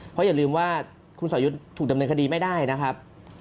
เพราะอย่าลืมว่าคุณสอยุทธ์ถูกดำเนินคดีไม่ได้นะครับ